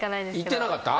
いってなかった？